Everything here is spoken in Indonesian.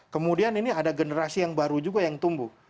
kemudian ini ada generasi yang baru juga yang tumbuh